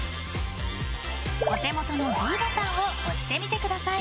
お手元のｄボタンを押してみてください。